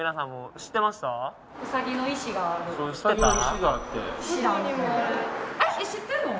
知ってんの？